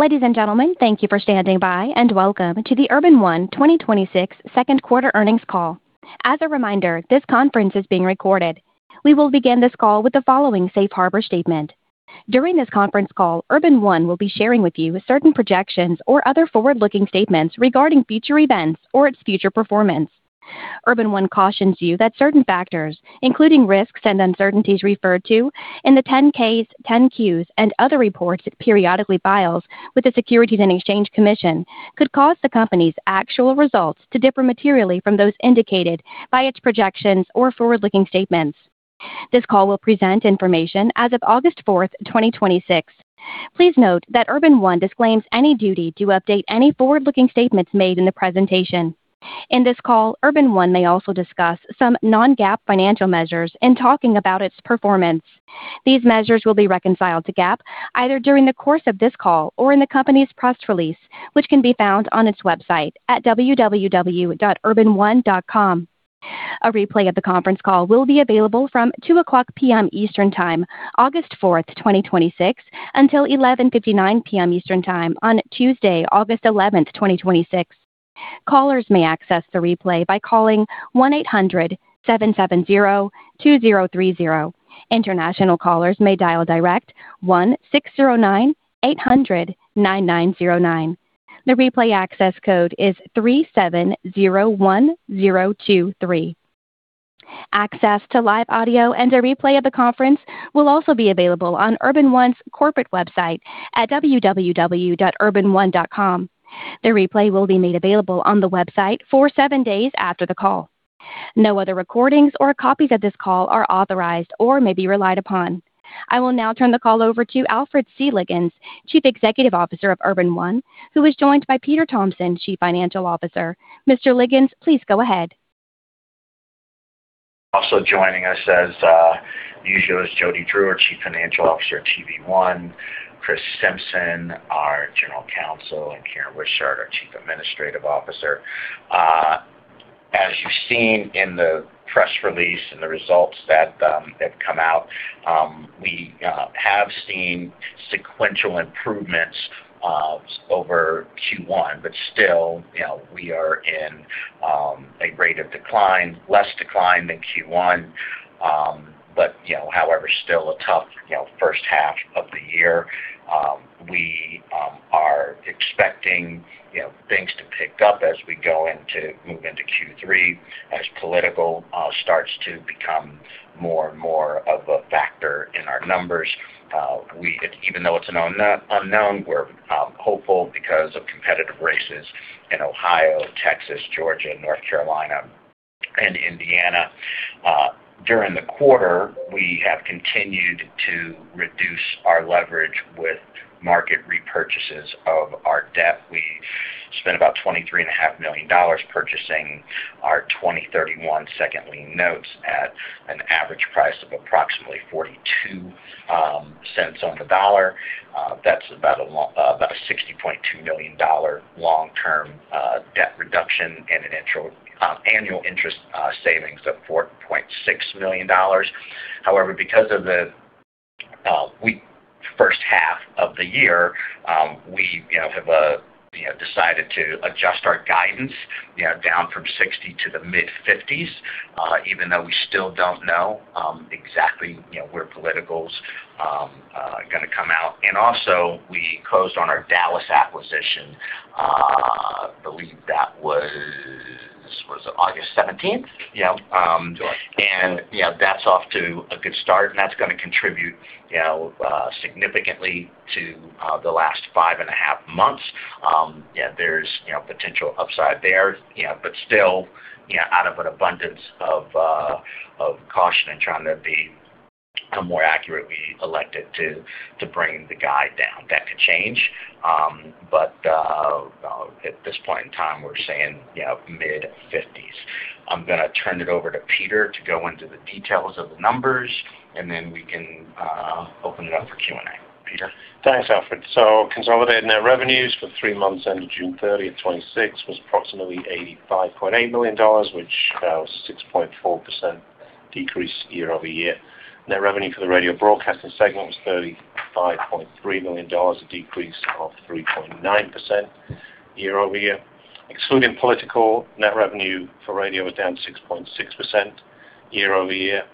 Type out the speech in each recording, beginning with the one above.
Ladies and gentlemen, thank you for standing by, and welcome to the Urban One 2026 second quarter earnings call. As a reminder, this conference is being recorded. We will begin this call with the following safe harbor statement. During this conference call, Urban One will be sharing with you certain projections or other forward-looking statements regarding future events or its future performance. Urban One cautions you that certain factors, including risks and uncertainties referred to in the 10-Ks, 10-Qs, and other reports it periodically files with the Securities and Exchange Commission, could cause the company's actual results to differ materially from those indicated by its projections or forward-looking statements. This call will present information as of August 4, 2026. Please note that Urban One disclaims any duty to update any forward-looking statements made in the presentation. In this call, Urban One may also discuss some non-GAAP financial measures in talking about its performance. These measures will be reconciled to GAAP either during the course of this call or in the company's press release, which can be found on its website at www.urbanone.com. A replay of the conference call will be available from 2:00 P.M. Eastern Time, August 4, 2026, until 11:59 P.M. Eastern Time on Tuesday, August 11, 2026. Callers may access the replay by calling 1-800-770-2030. International callers may dial direct 1-609-800-9909. The replay access code is 3701023. Access to live audio and a replay of the conference will also be available on Urban One's corporate website at www.urbanone.com. The replay will be made available on the website for seven days after the call. No other recordings or copies of this call are authorized or may be relied upon. I will now turn the call over to Alfred C. Liggins, Chief Executive Officer of Urban One, who is joined by Peter Thompson, Chief Financial Officer. Mr. Liggins, please go ahead. Also joining us as usual is Jodi Drew, our Chief Financial Officer at TV One, Chris Simpson, our General Counsel, and Karen Wishart, our Chief Administrative Officer. As you've seen in the press release and the results that have come out, we have seen sequential improvements over Q1, but still, we are in a rate of decline, less decline than Q1, however, still a tough first half of the year. We are expecting things to pick up as we move into Q3, as political starts to become more and more of a factor in our numbers. Even though it's an unknown, we're hopeful because of competitive races in Ohio, Texas, Georgia, North Carolina, and Indiana. During the quarter, we have continued to reduce our leverage with market repurchases of our debt. We spent about $23.5 million purchasing our 2031 Second Lien Notes at an average price of approximately $0.42 on the dollar. That's about a $60.2 million long-term debt reduction and an annual interest savings of $4.6 million. Because of the weak first half of the year, we have decided to adjust our guidance, down from 60 to the mid-50s, even though we still don't know exactly where political's going to come out. Also, we closed on our Dallas acquisition. I believe that was it August 17th? Yeah. That's off to a good start, and that's going to contribute significantly to the last five and a half months. There's potential upside there, still, out of an abundance of caution and trying to be more accurately elected to bring the guide down. That could change, but at this point in time, we're saying mid-50s. I'm going to turn it over to Peter to go into the details of the numbers, then we can open it up for Q&A. Peter? Thanks, Alfred. Consolidated net revenues for the three months ended June 30th, 2026 was approximately $85.8 million, which was 6.4% decrease year-over-year. Net revenue for the radio broadcasting segment was $35.3 million, a decrease of 3.9% year-over-year. Excluding political, net revenue for radio was down 6.6% year-over-year.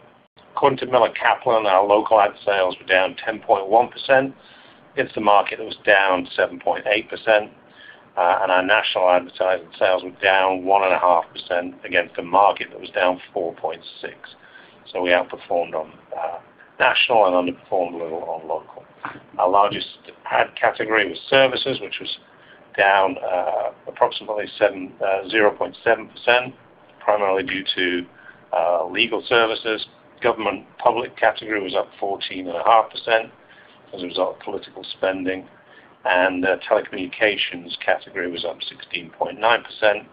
According to Miller Kaplan, our local ad sales were down 10.1% against a market that was down 7.8%. Our national advertising sales were down 1.5% against a market that was down 4.6%. We outperformed on national and underperformed a little on local. Our largest ad category was services, which was down approximately 0.7%, primarily due to legal services. Government public category was up 14.5% as a result of political spending. The telecommunications category was up 16.9%.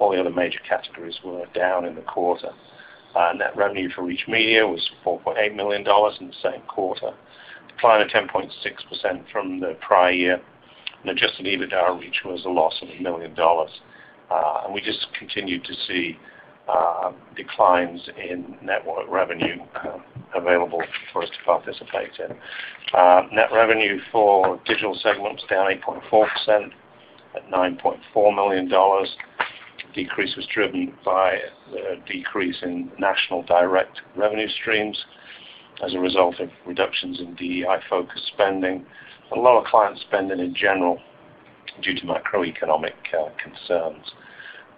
All the other major categories were down in the quarter. Net revenue for Reach Media was $4.8 million in the same quarter, decline of 10.6% from the prior year. Adjusted EBITDA on Reach was a loss of $1 million. We just continue to see declines in net revenue available for us to participate in. Net revenue for digital segments down 8.4% at $9.4 million. Decrease was driven by the decrease in national direct revenue streams as a result of reductions in DEI-focused spending, a lot of client spending in general due to macroeconomic concerns.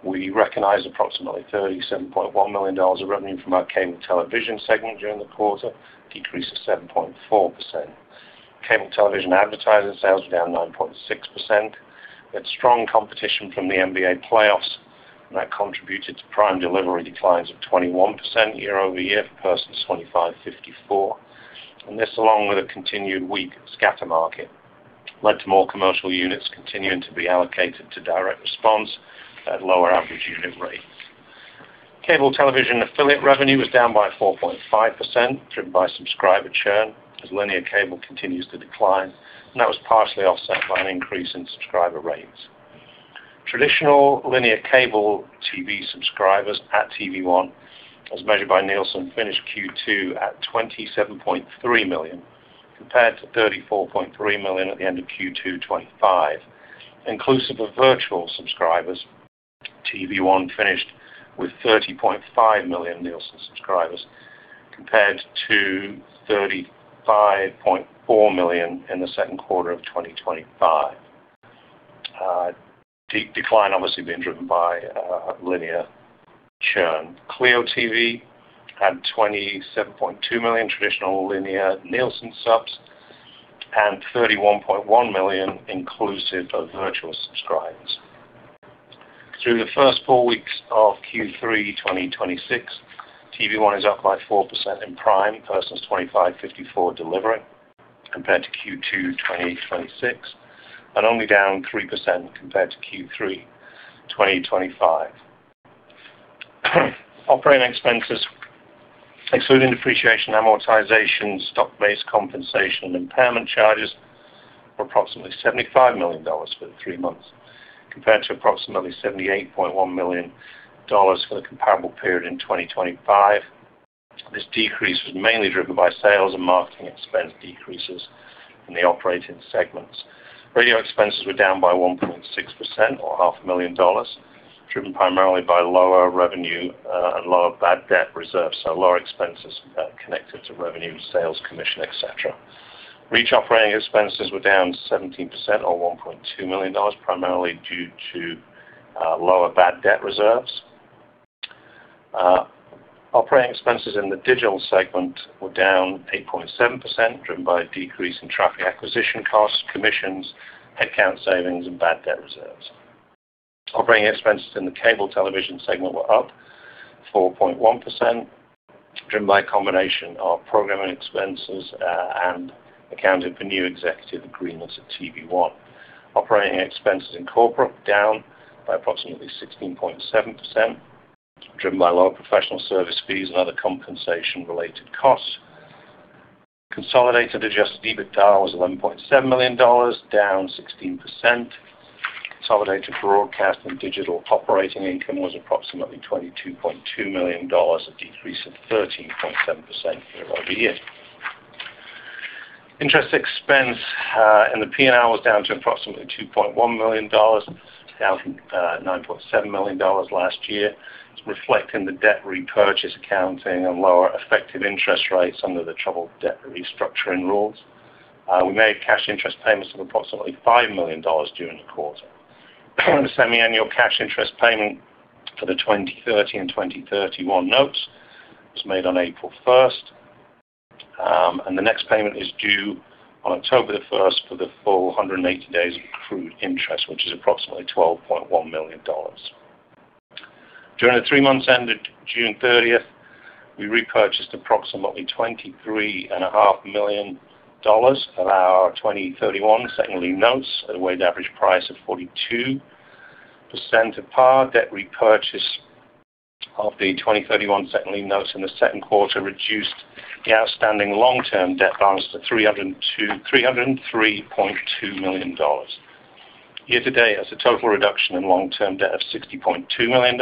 We recognized approximately $37.1 million of revenue from our Cable Television segment during the quarter, decrease of 7.4%. Cable television advertising sales were down 9.6%, with strong competition from the NBA playoffs, that contributed to prime delivery declines of 21% year-over-year for persons 25-54. This, along with a continued weak scatter market, led to more commercial units continuing to be allocated to direct response at lower average unit rates. Cable television affiliate revenue was down by 4.5%, driven by subscriber churn as linear cable continues to decline, and that was partially offset by an increase in subscriber rates. Traditional linear cable TV subscribers at TV One, as measured by Nielsen, finished Q2 at 27.3 million, compared to 34.3 million at the end of Q2 2025. Inclusive of virtual subscribers, TV One finished with 30.5 million Nielsen subscribers, compared to 35.4 million in the second quarter of 2025. Decline obviously being driven by linear churn. CLEO TV had 27.2 million traditional linear Nielsen subs and 31.1 million inclusive of virtual subscribers. Through the first four weeks of Q3 2026, TV One is up by 4% in prime persons 25-54 delivery compared to Q2 2026, and only down 3% compared to Q3 2025. Operating expenses, excluding depreciation, amortization, stock-based compensation, and impairment charges, were approximately $75 million for the three months, compared to approximately $78.1 million for the comparable period in 2025. This decrease was mainly driven by sales and marketing expense decreases in the operating segments. Radio expenses were down by 1.6%, or $500,000, driven primarily by lower revenue and lower bad debt reserves, lower expenses connected to revenue, sales commission, et cetera. Reach operating expenses were down 17%, or $1.2 million, primarily due to lower bad debt reserves. Operating expenses in the digital segment were down 8.7%, driven by a decrease in traffic acquisition costs, commissions, head count savings, and bad debt reserves. Operating expenses in the cable television segment were up 4.1%, driven by a combination of programming expenses and accounted for new executive agreements at TV One. Operating expenses in corporate, down by approximately 16.7%, driven by lower professional service fees and other compensation-related costs. Consolidated adjusted EBITDA was $11.7 million, down 16%. Consolidated broadcast and digital operating income was approximately $22.2 million, a decrease of 13.7% year-over-year. Interest expense in the P&L was down to approximately $2.1 million, down from $9.7 million last year. It's reflecting the debt repurchase accounting and lower effective interest rates under the troubled debt restructuring rules. We made cash interest payments of approximately $5 million during the quarter. The semiannual cash interest payment for the 2030 and 2031 notes was made on April 1st, the next payment is due on October the 1st for the full 180 days of accrued interest, which is approximately $12.1 million. During the three months ended June 30th, we repurchased approximately $23.5 million of our 2031 second lien notes at a weighted average price of 42% of par. Debt repurchase of the 2031 second lien notes in the second quarter reduced the outstanding long-term debt balance to $303.2 million. Year to date, that's a total reduction in long-term debt of $60.2 million,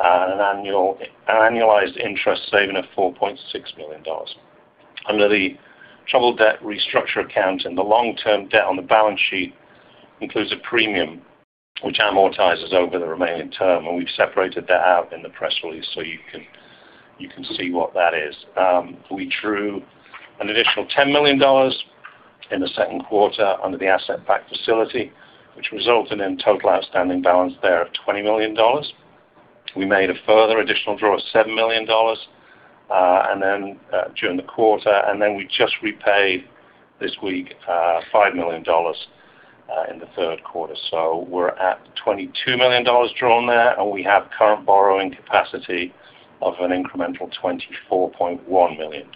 an annualized interest saving of $4.6 million. Under the troubled debt restructure account, the long-term debt on the balance sheet includes a premium which amortizes over the remaining term, we've separated that out in the press release you can see what that is. We drew an additional $10 million in the second quarter under the asset-backed facility, which resulted in total outstanding balance there of $20 million. We made a further additional draw of $7 million during the quarter. Then we just repaid this week $5 million in the third quarter. We're at $22 million drawn there, and we have current borrowing capacity of an incremental $24.1 million.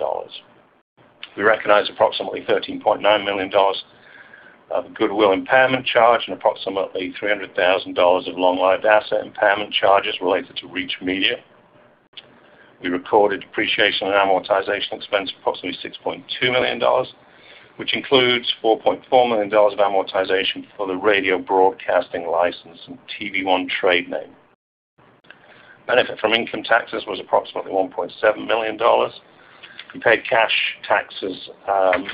We recognized approximately $13.9 million of goodwill impairment charge and approximately $300,000 of long-lived asset impairment charges related to Reach Media. We recorded depreciation and amortization expense of approximately $6.2 million, which includes $4.4 million of amortization for the radio broadcasting license and TV One trade name. Benefit from income taxes was approximately $1.7 million. We paid cash taxes,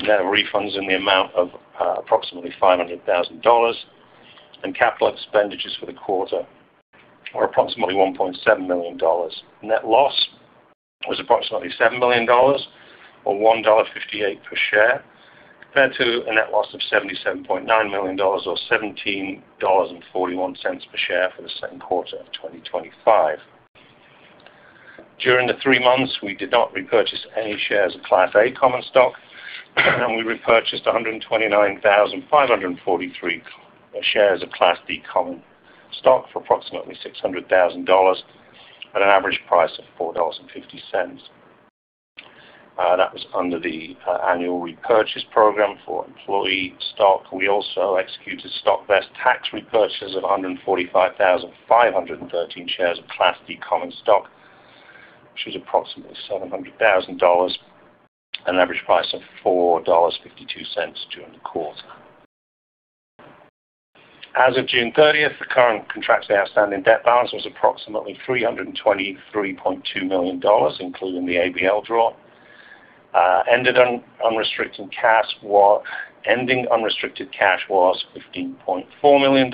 net of refunds, in the amount of approximately $500,000. Capital expenditures for the quarter are approximately $1.7 million. Net loss was approximately $7 million, or $1.58 per share, compared to a net loss of $77.9 million, or $17.41 per share for the same quarter of 2025. During the three months, we did not repurchase any shares of Class A common stock. We repurchased 129,543 shares of Class D common stock for approximately $600,000 at an average price of $4.50. That was under the annual repurchase program for employee stock. We also executed stock-based tax repurchases of 145,513 shares of Class D common stock, which is approximately $700,000 at an average price of $4.52 during the quarter. As of June 30th, the current contracts outstanding debt balance was approximately $323.2 million, including the ABL draw. Ending unrestricted cash was $15.4 million,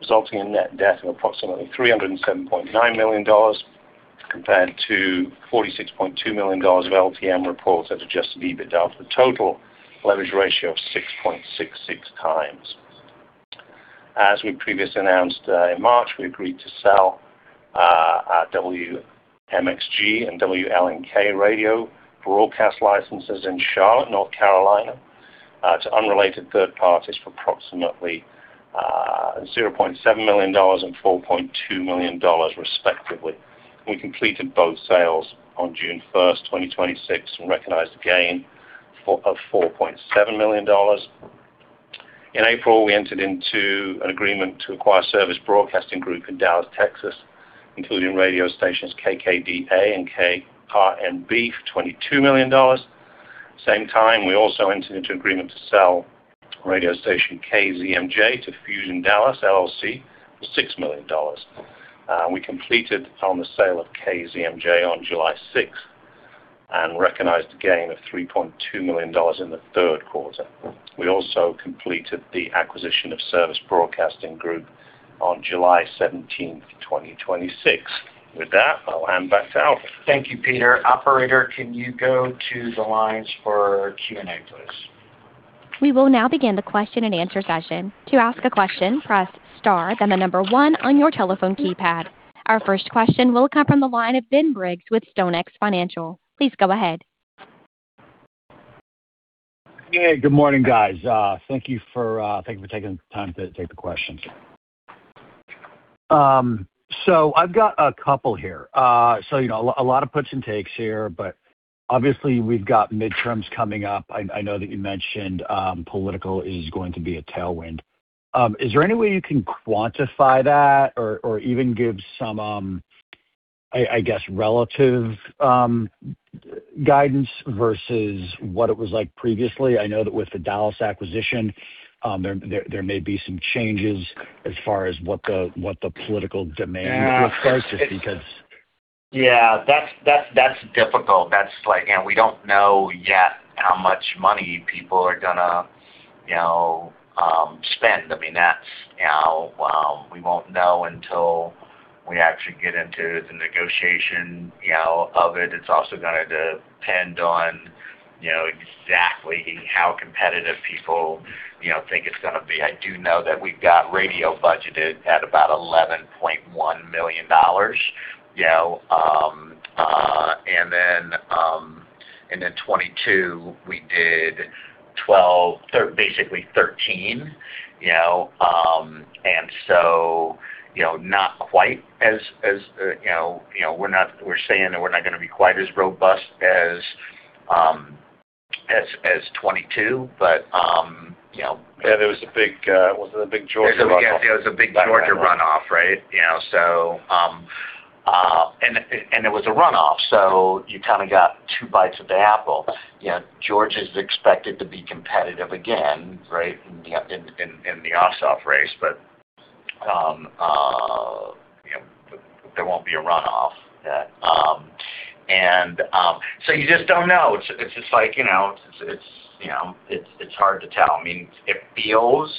resulting in net debt of approximately $307.9 million, compared to $46.2 million of LTM reported adjusted EBITDA for a total leverage ratio of 6.66 times. As we previously announced in March, we agreed to sell our WMXG and WLNK radio broadcast licenses in Charlotte, North Carolina, to unrelated third parties for approximately $0.7 million and $4.2 million, respectively. We completed both sales on June 1st, 2026. Recognized a gain of $4.7 million. In April, we entered into an agreement to acquire Service Broadcasting Group in Dallas, Texas, including radio stations KKDA and KRNB for $22 million. Same time, we also entered into agreement to sell radio station KZMJ to Fuzion Dallas, LLC for $6 million. We completed on the sale of KZMJ on July 6th and recognized a gain of $3.2 million in the third quarter. We also completed the acquisition of Service Broadcasting Group on July 17th, 2026. With that, I'll hand back to Alfred. Thank you, Peter. Operator, can you go to the lines for Q&A, please? We will now begin the question and answer session. To ask a question, press star, then 1 on your telephone keypad. Our first question will come from the line of Ben Briggs with StoneX Financial. Please go ahead. Hey, good morning, guys. Thank you for taking the time to take the questions. I've got a couple here. A lot of puts and takes here, but obviously, we've got midterms coming up. I know that you mentioned political is going to be a tailwind. Is there any way you can quantify that or even give some, I guess, relative guidance versus what it was like previously? I know that with the Dallas acquisition, there may be some changes as far as what the political demand refers to because- Yeah, that's difficult. We don't know yet how much money people are going to spend. We won't know until we actually get into the negotiation of it. It's also going to depend on exactly how competitive people think it's going to be. I do know that we've got radio budgeted at about $11.1 million. In 2022, we did basically $13 million. We're saying that we're not going to be quite as robust as 2022, but- Yeah, wasn't a big Georgia runoff that year? There was a big Georgia runoff, right? It was a runoff, so you kind of got two bites of the apple. Georgia's expected to be competitive again, right, in the off-off race, but there won't be a runoff. You just don't know. It's hard to tell. It feels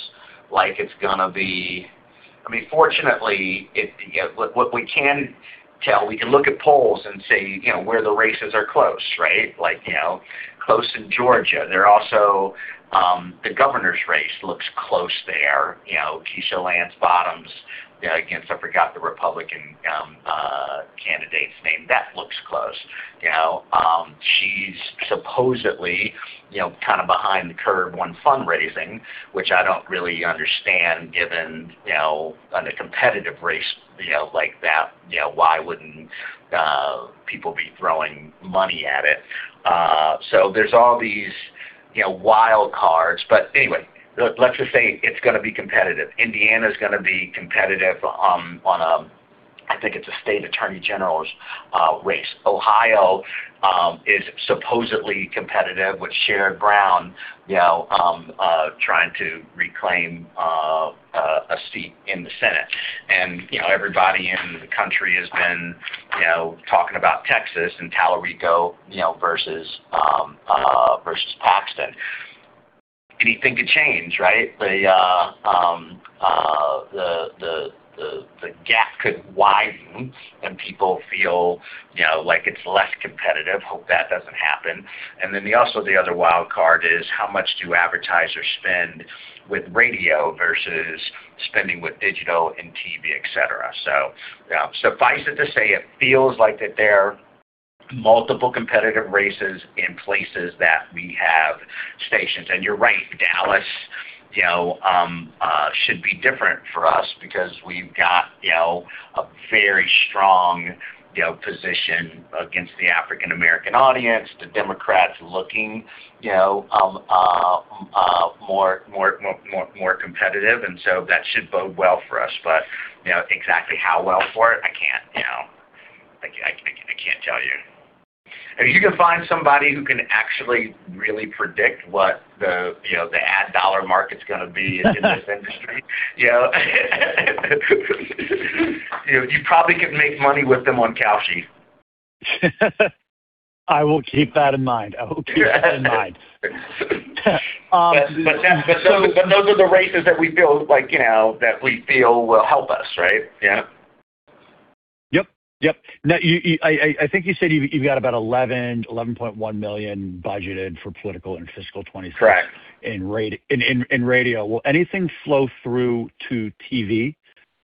like it's going to be. Fortunately, what we can tell, we can look at polls and say where the races are close, right? Close in Georgia. The governor's race looks close there. Keisha Lance Bottoms, again, I forgot the Republican candidate's name. That looks close. She's supposedly kind of behind the curve on fundraising, which I don't really understand given on a competitive race like that, why wouldn't people be throwing money at it? There's all these wild cards, anyway, let's just say it's going to be competitive. Indiana's going to be competitive on a, I think it's a state attorney general's race. Ohio is supposedly competitive with Sherrod Brown, trying to reclaim a seat in the Senate. Everybody in the country has been talking about Texas and James versus Ken. Anything could change, right? The gap could widen and people feel like it's less competitive. Hope that doesn't happen. Then also the other wild card is how much do advertisers spend with radio versus spending with digital and TV, et cetera. Suffice it to say, it feels like that there are multiple competitive races in places that we have stations. You're right, Dallas should be different for us because we've got a very strong position against the African American audience, the Democrats looking more competitive. That should bode well for us, but exactly how well for it, I can't tell you. If you can find somebody who can actually really predict what the ad dollar market's going to be in this industry you probably could make money with them on call sheet. I will keep that in mind. I will keep that in mind. Those are the races that we feel will help us, right? Yeah. Yep. I think you said you've got about $11.1 million budgeted for political in fiscal 2026- Correct in radio. Will anything flow through to TV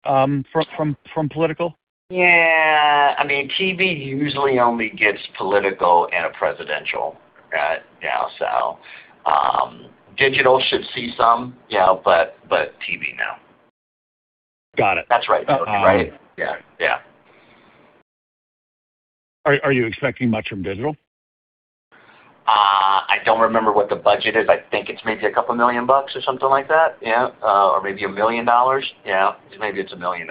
from political? Yeah. TV usually only gets political in a presidential. Digital should see some, but TV, no. Got it. That's right though, right? Yeah. Are you expecting much from digital? I don't remember what the budget is. I think it's maybe a couple million dollars or something like that. Yeah, or maybe $1 million. Yeah, maybe it's $1 million.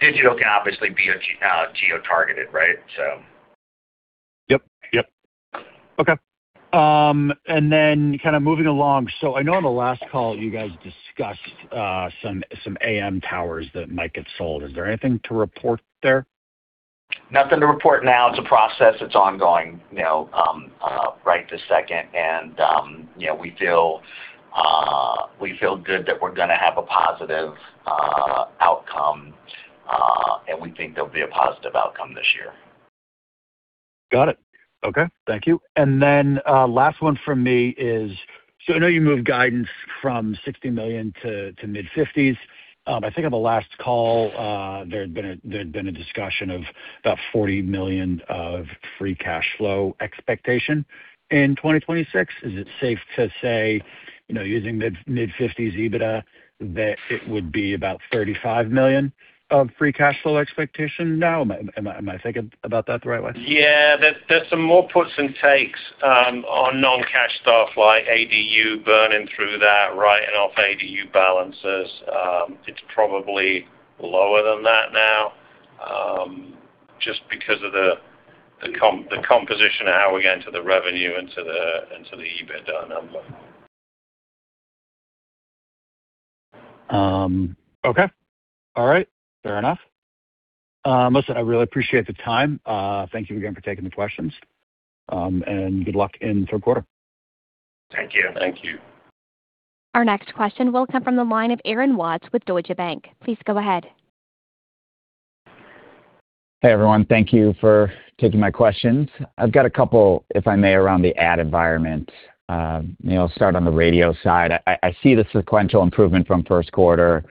Digital can obviously be geo-targeted, right? Yep. Okay. Kind of moving along, I know on the last call, you guys discussed some AM towers that might get sold. Is there anything to report there? Nothing to report now. It's a process. It's ongoing right this second. We feel good that we're going to have a positive outcome, and we think there'll be a positive outcome this year. Got it. Okay. Thank you. Last one from me is, I know you moved guidance from $60 million to mid-50s. I think on the last call, there had been a discussion of about $40 million of free cash flow expectation in 2026. Is it safe to say, using the mid-50s EBITDA, that it would be about $35 million of free cash flow expectation now? Am I thinking about that the right way? Yeah. There's some more puts and takes on non-cash stuff, like ADU burning through that, writing off ADU balances. It's probably lower than that now, just because of the composition of how we're getting to the revenue and to the EBITDA number. Okay. All right. Fair enough. Listen, I really appreciate the time. Thank you again for taking the questions, and good luck in the third quarter. Thank you. Thank you. Our next question will come from the line of Aaron Watts with Deutsche Bank. Please go ahead. Hey, everyone. Thank you for taking my questions. I've got a couple, if I may, around the ad environment. I'll start on the radio side. I see the sequential improvement from first quarter,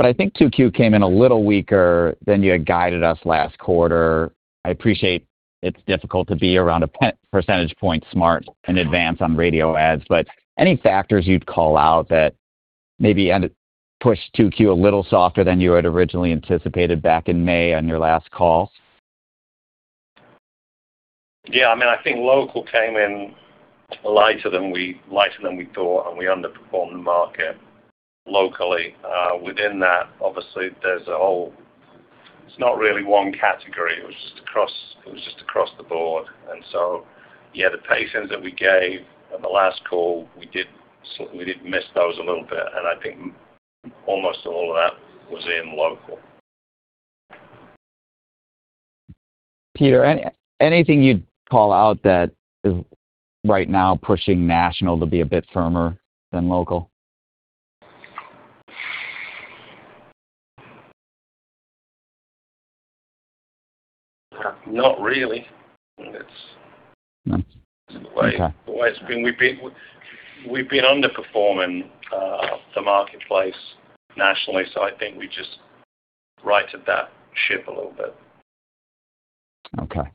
but I think 2Q came in a little weaker than you had guided us last quarter. I appreciate it's difficult to be around a percentage point smart in advance on radio ads, but any factors you'd call out that maybe pushed 2Q a little softer than you had originally anticipated back in May on your last call? Yeah, I think local came in lighter than we thought, and we underperformed the market locally. Within that, obviously, it's not really one category. It was just across the board. So, yeah, the pacing that we gave on the last call, we did miss those a little bit, and I think almost all of that was in local. Peter, anything you'd call out that is right now pushing national to be a bit firmer than local? Not really. Okay the way it's been. We've been underperforming the marketplace nationally. I think we just righted that ship a little bit. Okay.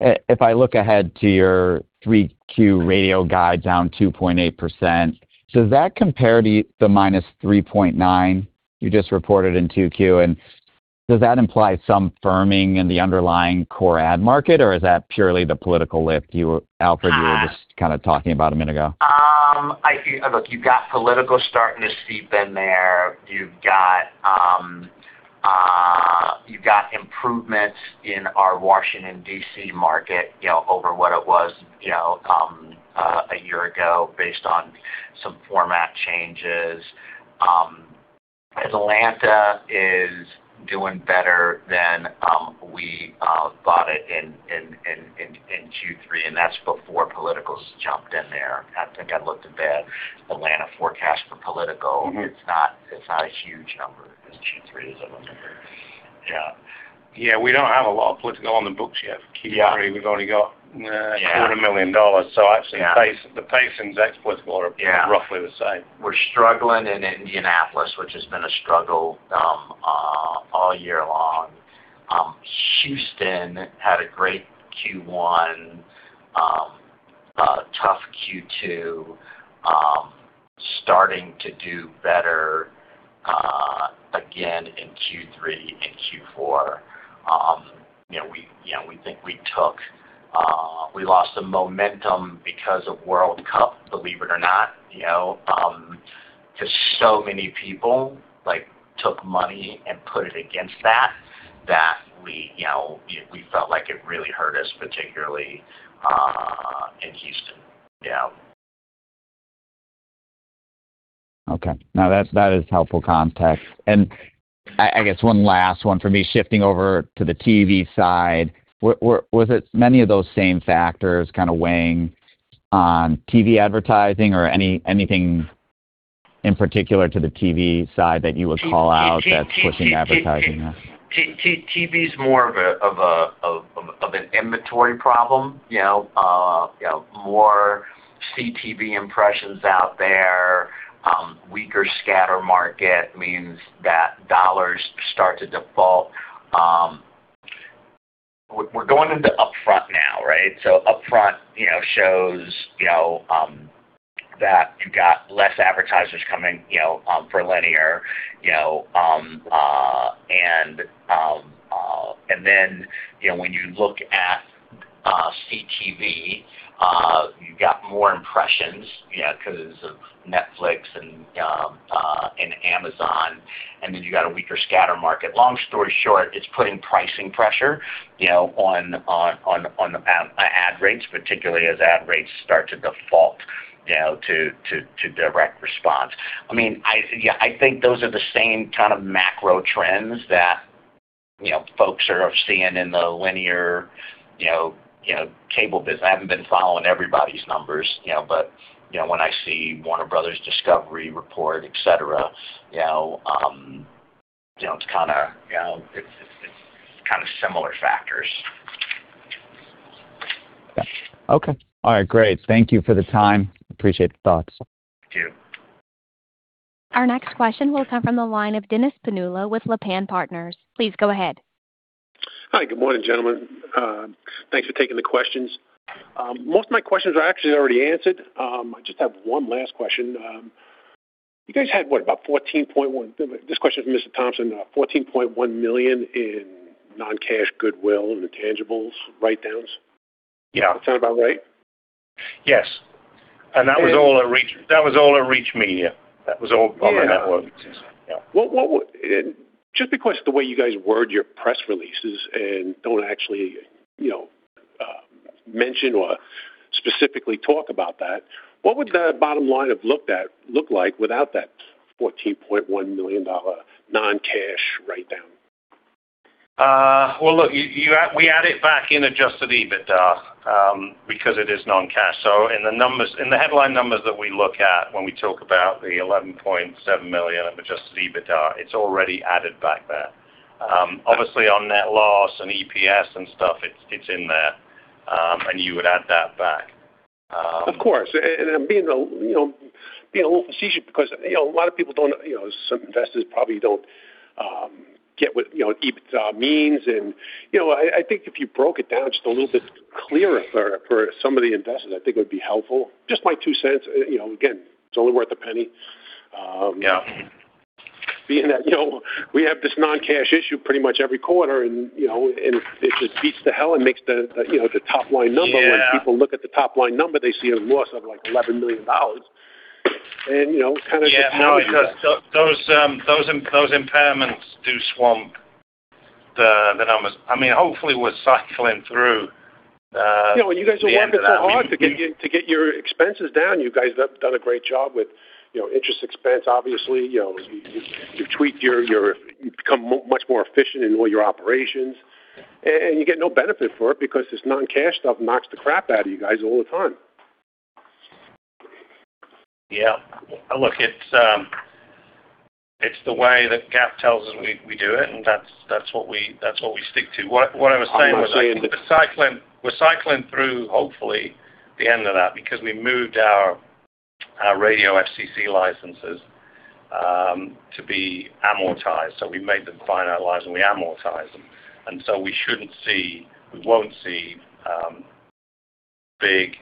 If I look ahead to your 3Q radio guide down 2.8%, does that compare to the -3.9% you just reported in 2Q? Does that imply some firming in the underlying core ad market, or is that purely the political lift, Alfred, you were just talking about a minute ago? Look, you've got political starting to seep in there. You've got improvements in our Washington, D.C. market, over what it was a year ago based on some format changes. Atlanta is doing better than we thought it in Q3, that's before politicals jumped in there. I think I looked at the Atlanta forecast for political. It's not a huge number as Q3 as I remember. Yeah. We don't have a lot of political on the books yet. Yeah. Q3, we've only Yeah quarter million dollars. Yeah the pace in that's what's more Yeah roughly the same. We're struggling in Indianapolis, which has been a struggle all year long. Houston had a great Q1, tough Q2, starting to do better again in Q3 and Q4. We think we lost the momentum because of World Cup, believe it or not, because so many people took money and put it against that we felt like it really hurt us, particularly in Houston. Yeah. Okay. Now, that is helpful context. I guess one last one for me, shifting over to the TV side. Was it many of those same factors kind of weighing on TV advertising or anything in particular to the TV side that you would call out that's pushing advertising? TV's more of an inventory problem. More CTV impressions out there, weaker scatter market means that dollars start to default. We're going into upfront now, right? Upfront shows that you've got less advertisers coming for linear. Then when you look at CTV, you've got more impressions because of Netflix and Amazon. Then you've got a weaker scatter market. Long story short, it's putting pricing pressure on ad rates, particularly as ad rates start to default to direct response. I think those are the same kind of macro trends that folks are seeing in the linear cable business. I haven't been following everybody's numbers, but when I see Warner Bros. Discovery report, et cetera, it's kind of similar factors. Okay. All right. Great. Thank you for the time. Appreciate the thoughts. Thank you. Our next question will come from the line of Dennis Pannullo with Lapan Partners. Please go ahead. Hi. Good morning, gentlemen. Thanks for taking the questions. Most of my questions are actually already answered. I just have one last question. You guys had, what, about 14.1-- This question is for Mr. Thompson, $14.1 million in non-cash goodwill, intangibles, write-downs? Yeah. That sound about right? Yes. That was all in Reach Media. That was all other networks. Yeah. Just because the way you guys word your press releases and don't actually mention or specifically talk about that, what would the bottom line have looked like without that $14.1 million non-cash write-down? Well, look, we add it back in adjusted EBITDA, because it is non-cash. In the headline numbers that we look at when we talk about the $11.7 million adjusted EBITDA, it's already added back there. Obviously, on net loss and EPS and stuff, it's in there, and you would add that back. Of course. Being a little facetious because a lot of people don't. Some investors probably don't get what EBITDA means, I think if you broke it down just a little bit clearer for some of the investors, I think it would be helpful. Just my $0.02. Again, it's only worth $0.01. Yeah. Being that we have this non-cash issue pretty much every quarter, it just beats the hell and makes the top-line number. Yeah. When people look at the top-line number, they see a loss of like $11 million. It kind of just bothers us. Yeah. No, because those impairments do swamp the numbers. Hopefully, we're cycling through the end of that. You guys are working so hard to get your expenses down. You guys have done a great job with interest expense, obviously. You've become much more efficient in all your operations. You get no benefit for it because this non-cash stuff knocks the crap out of you guys all the time. Yeah. Look, it's the way that GAAP tells us we do it, and that's what we stick to. What I was saying was. I'm not saying that. We're cycling through, hopefully, the end of that because we moved our radio FCC licenses to be amortized. We made them final, and we amortize them. We won't see big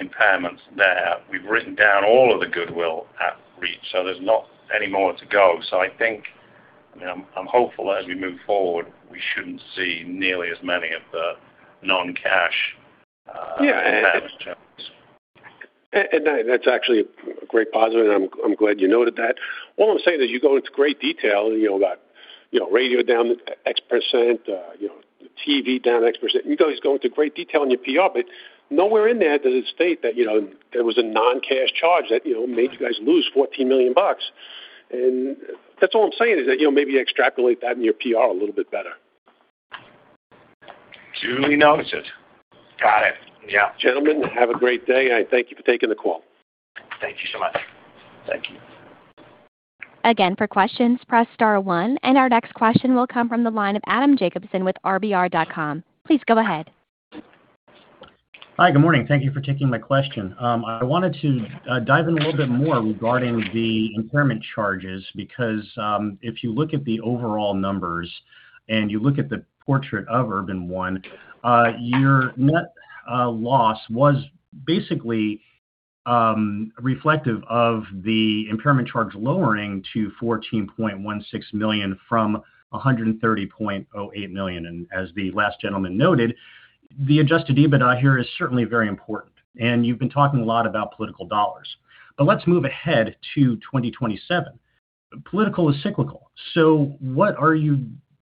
impairments there. We've written down all of the goodwill at Reach, so there's not any more to go. I think, I'm hopeful as we move forward, we shouldn't see nearly as many of the non-cash. Yeah impairment charges. That's actually a great positive, and I'm glad you noted that. All I'm saying is you go into great detail about radio down X%, the TV down X%. You guys go into great detail in your PR, but nowhere in there does it state that there was a non-cash charge that made you guys lose $14 million. That's all I'm saying is that, maybe extrapolate that in your PR a little bit better. Duly noted. Got it. Yeah. Gentlemen, have a great day, and thank you for taking the call. Thank you so much. Thank you. Again, for questions, press star one, our next question will come from the line of Adam Jacobson with RBR.com. Please go ahead. Hi. Good morning. Thank you for taking my question. I wanted to dive in a little bit more regarding the impairment charges because, if you look at the overall numbers and you look at the portrait of Urban One, your net loss was basically reflective of the impairment charge lowering to $14.16 million from $130.08 million. As the last gentleman noted, the adjusted EBITDA here is certainly very important, and you've been talking a lot about political dollars. Let's move ahead to 2027. Political is cyclical, so what are your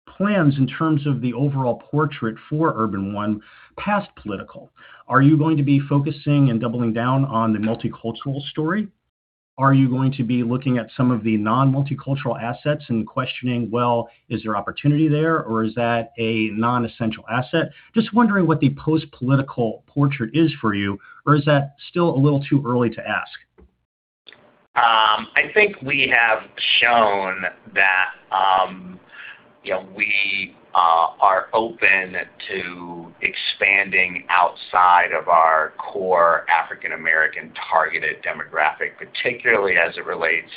plans in terms of the overall portrait for Urban One past political? Are you going to be focusing and doubling down on the multicultural story? Are you going to be looking at some of the non-multicultural assets and questioning, well, is there opportunity there, or is that a non-essential asset? Just wondering what the post-political portrait is for you, or is that still a little too early to ask? I think we have shown that we are open to expanding outside of our core African American targeted demographic, particularly as it relates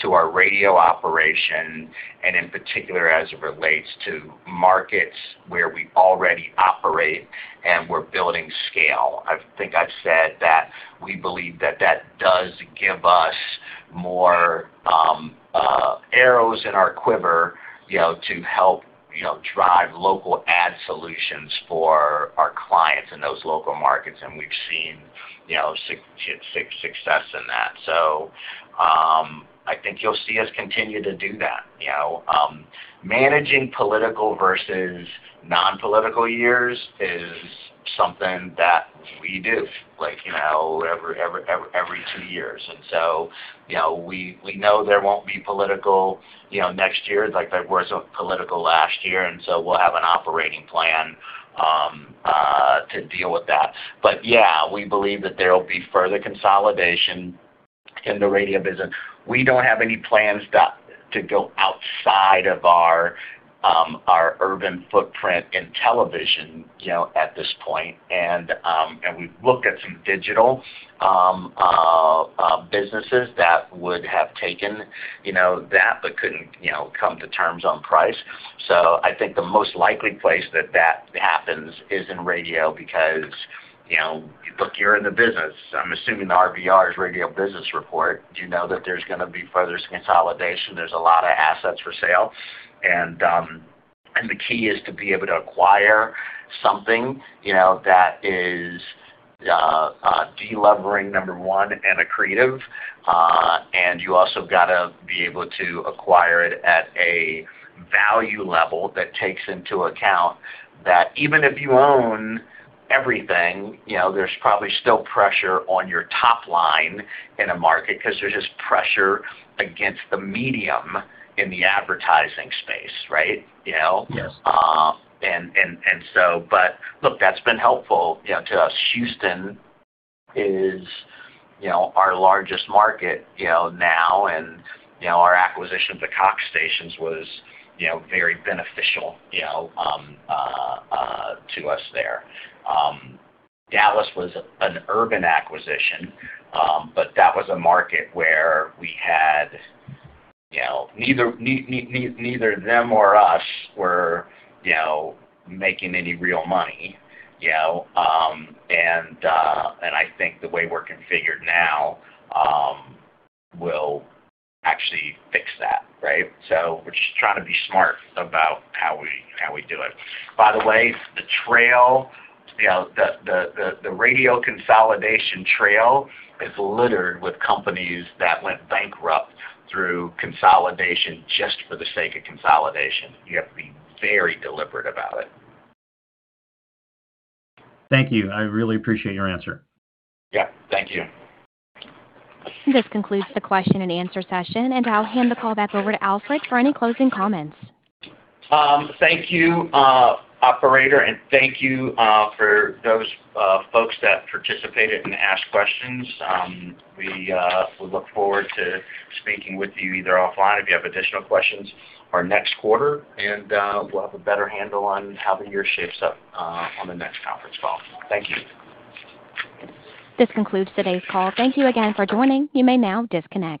to our radio operation and in particular as it relates to markets where we already operate and we're building scale. I think I've said that we believe that that does give us more arrows in our quiver to help drive local ad solutions for our clients in those local markets, and we've seen success in that. I think you'll see us continue to do that. Managing political versus non-political years is something that we do every two years, and so we know there won't be political next year, like there was political last year, and so we'll have an operating plan to deal with that. Yeah, we believe that there'll be further consolidation in the radio business. We don't have any plans to go outside of our Urban footprint in television at this point. We've looked at some digital businesses that would have taken that but couldn't come to terms on price. I think the most likely place that that happens is in radio because, look, you're in the business. I'm assuming the RBR is Radio Business Report. You know that there's going to be further consolidation. There's a lot of assets for sale, and the key is to be able to acquire something that is de-levering, number one, and accretive. You also got to be able to acquire it at a value level that takes into account that even if you own everything, there's probably still pressure on your top line in a market because there's just pressure against the medium in the advertising space, right? Yes. Look, that's been helpful to us. Houston is our largest market now, and our acquisition of the Cox stations was very beneficial to us there. Dallas was an Urban acquisition, but that was a market where neither them or us were making any real money, and I think the way we're configured now will actually fix that, right? We're just trying to be smart about how we do it. By the way, the radio consolidation trail is littered with companies that went bankrupt through consolidation just for the sake of consolidation. You have to be very deliberate about it. Thank you. I really appreciate your answer. Yeah. Thank you. This concludes the question and answer session. I'll hand the call back over to Alfred for any closing comments. Thank you, operator, and thank you for those folks that participated and asked questions. We look forward to speaking with you either offline if you have additional questions or next quarter, and we'll have a better handle on how the year shapes up on the next conference call. Thank you. This concludes today's call. Thank you again for joining. You may now disconnect.